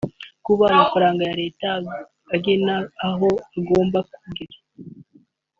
kuba amafaranga ya Leta agera aho agomba kugera